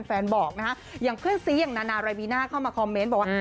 แฟนบอกนะคะยังเพื่อนซี้อะไรมีน่าเข้ามาคอมเม้นต์บอกว่า